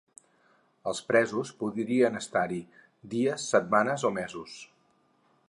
Els presos podrien estar-hi dies, setmanes o mesos.